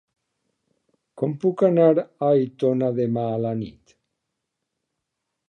Com puc anar a Aitona demà a la nit?